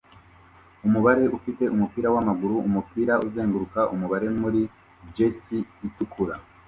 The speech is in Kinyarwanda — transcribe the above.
Umubare ufite umupira wamaguru umupira uzenguruka umubare muri jersey itukura